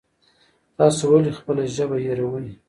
تاسو ولې خپله ژبه هېروئ؟